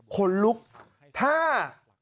คนลุกถ้า